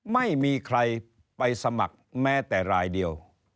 ไม่มีใครไปสมัครแม้แต่รายเดียว